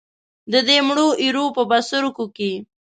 د دې مړو ایرو په بڅرکیو کې.